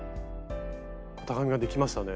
型紙ができましたね。